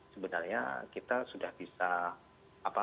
sebenarnya kita sudah bisa